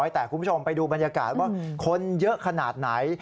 แต่คุณผู้ชมไปดูบรรยากาศว่าคนเยอะขนาดไหน